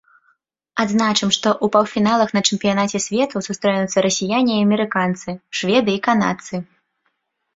Адзначым, што ў паўфіналах на чэмпіянаце свету сустрэнуцца расіяне і амерыканцы, шведы і канадцы.